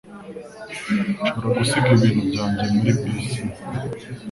Nshobora gusiga ibintu byanjye muri bisi?